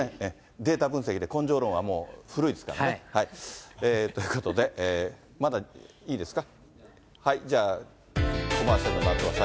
データ分析で、根性論はもう古いですからね。ということで、まだいいですか？